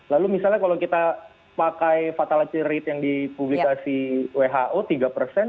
lalu misalnya kalau kita pakai fatality rate yang dianggap itu berarti kita tidak bisa menanggung kematian